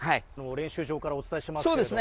練習場からお伝えしていますけども。